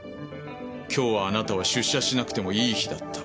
今日はあなたは出社しなくてもいい日だった。